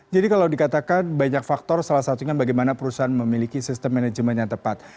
jadi kalau dikatakan banyak faktor salah satunya bagaimana perusahaan memiliki sistem manajemen yang tepat